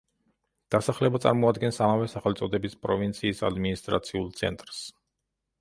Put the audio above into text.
დასახლება წარმოადგენს ამავე სახელწოდების პროვინციის ადმინისტრაციულ ცენტრს.